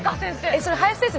えそれ林先生